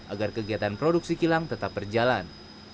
agar kegiatan produksi kilang tetap berjalan